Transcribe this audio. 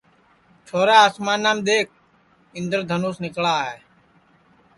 چھورا آسمانام دؔیکھ اِندر دھنوس نِکݪا ہے